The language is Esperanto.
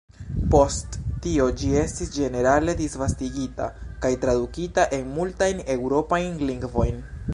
Post tio ĝi estis ĝenerale disvastigita kaj tradukita en multajn Eŭropajn lingvojn.